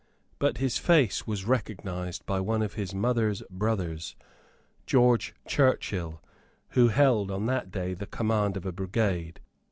But his face was recognised by one of his mother's brothers, George Churchill, who held on that day the command of a brigade.